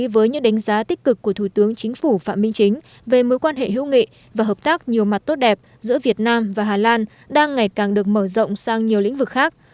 với những đánh giá tích cực của thủ tướng chính phủ phạm minh chính về mối quan hệ hữu nghị và hợp tác nhiều mặt tốt đẹp giữa việt nam và hà lan đang ngày càng được mở rộng sang nhiều lĩnh vực khác